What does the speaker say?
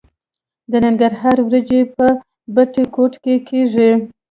د ننګرهار وریجې په بټي کوټ کې کیږي.